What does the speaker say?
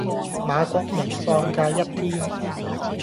馬國明放假一天